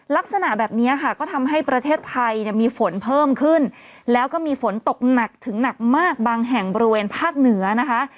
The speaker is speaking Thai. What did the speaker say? ลักษณะแบบนี้ค่ะก็ทำให้ประเทศไทยเนี่ยมีฝนเพิ่มขึ้นแล้วก็มีฝนตกหนักถึงหนักมากบางแห่งบริเวณภาคเหนือนะคะ